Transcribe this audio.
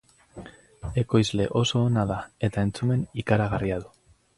Ekoizle oso ona da, eta entzumen ikaragarria du.